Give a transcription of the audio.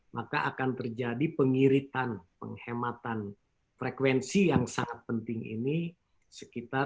maka akan terjadi pengiritan penghematan frekuensi atau adalah karenanya jika kita menggunakan channel ke depan